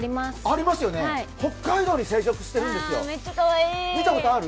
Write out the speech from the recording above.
北海道に生息してるんですよ、見たことある？